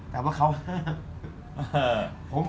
แต่ว่าเขาห้าม